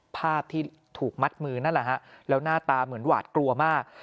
ภาพที่ถูกมัดมือนั่นแหละฮะแล้วหน้าตาเหมือนหวาดกลัวมาก